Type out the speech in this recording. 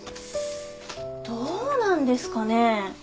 どうなんですかね？